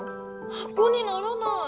はこにならない。